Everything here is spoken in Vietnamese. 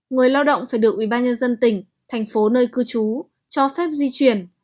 người lao động phải được ubnd tỉnh thành phố nơi cư trú cho phép di chuyển